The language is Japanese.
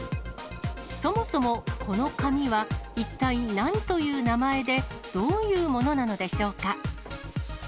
そもそもこの紙は、一体なんという名前で、どういうものなのでしょうか。